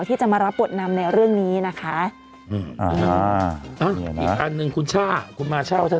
ที่จะมารับบทนำในเรื่องนี้นะคะ